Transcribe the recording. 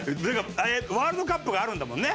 ワールドカップがあるんだもんね。